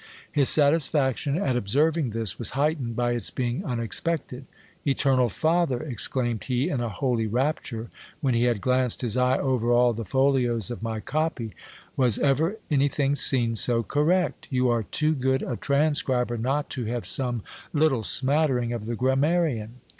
His satisfaction at observ ing this was heightened by its being unexpected. Eternal Father ! exclaimed he in a holy rapture, when he had glanced his eye over all the folios of my copy, was ever anything seen so correct ? You are too good a transcriber not to have some little smattering of the grammarian.